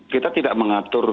kita tidak mengatur